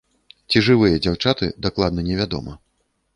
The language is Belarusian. Ці жывыя дзяўчаты, дакладна не вядома.